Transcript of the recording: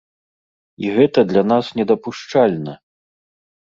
І гэта для нас недапушчальна!